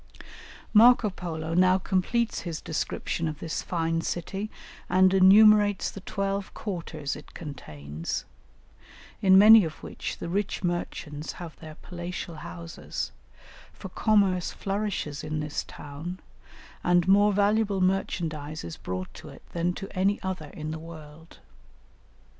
Marco Polo now completes his description of this fine city and enumerates the twelve quarters it contains, in many of which the rich merchants have their palatial houses, for commerce flourishes in this town, and more valuable merchandise is brought to it than to any other in the world.